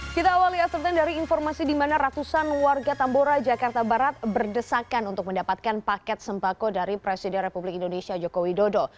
kita awali after sepuluh dari informasi di mana ratusan warga tambora jakarta barat berdesakan untuk mendapatkan paket sembako dari presiden republik indonesia joko widodo